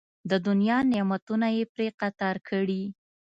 د دنیا نعمتونه یې پرې قطار کړي.